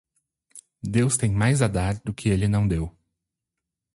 Deus tem mais a dar do que ele não deu.